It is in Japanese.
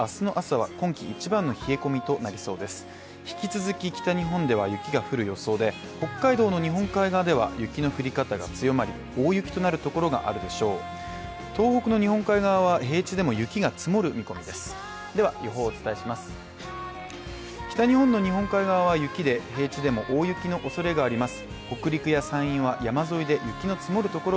東北の日本海側は平地でも雪が積もる見込みです。